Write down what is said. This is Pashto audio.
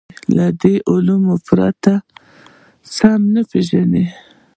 له دې علومو پرته سمه ونه پېژنو.